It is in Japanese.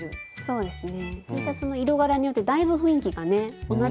そうですね。